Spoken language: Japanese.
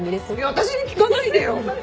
私に聞かないでよ！